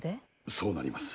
そうなります。